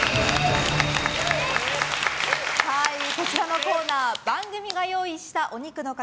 こちらのコーナー番組が用意したお肉の塊